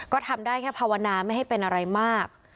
ก็ทำได้แค่ภาวนาไม่ให้เป็นอะไรมาก